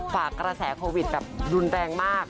ฝากกระแสโควิดแบบรุนแรงมาก